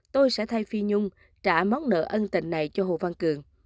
tôi sẽ thay phi nhung trả món nợ ân tình này cho hồ văn cường